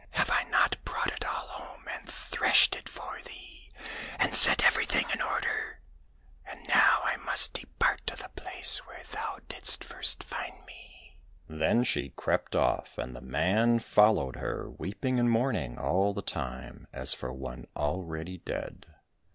Have I not brought it all home and threshed it for thee, and set everything in order ? And now I must depart to the place where thou didst first find 107 COSSACK FAIRY TALES me." Then she crept off, and the man followed her, weeping and mourning all the time as for one already dead.